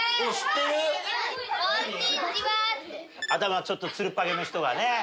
頭ちょっとつるっぱげの人がね。